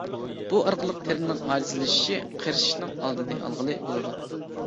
بۇ ئارقىلىق تېرىنىڭ ئاجىزلىشىشى، قېرىشنىڭ ئالدىنى ئالغىلى بولىدۇ.